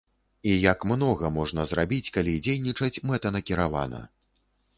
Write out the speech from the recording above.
І як многа можна зрабіць, калі дзейнічаць мэтанакіравана.